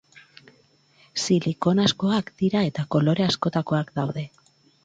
Silikonazkoak dira eta kolore askotakoak daude.